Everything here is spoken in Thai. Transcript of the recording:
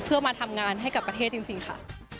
เพื่อมาทำงานให้กับประเทศจริงค่ะ